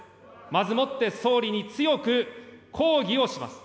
まずもって総理に強く抗議をします。